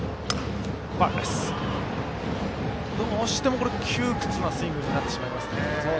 どうしても窮屈なスイングになってしまいますね。